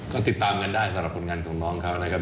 ก็ติดตามกันได้สำหรับผลงานของน้องเขานะครับ